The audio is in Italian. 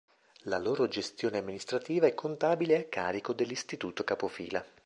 La loro gestione amministrativa e contabile è a carico dell'istituto capofila.